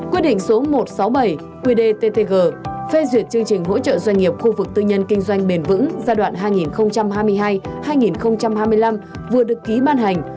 quy định số một trăm sáu mươi bảy qdttg phê duyệt chương trình hỗ trợ doanh nghiệp khu vực tư nhân kinh doanh bền vững giai đoạn hai nghìn hai mươi hai hai nghìn hai mươi năm vừa được ký ban hành